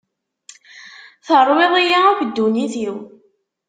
Terwiḍ-iyi akk ddunit-iw.